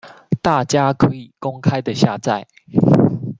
大家可以公開的下載